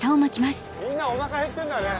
みんなおなか減ってんだね。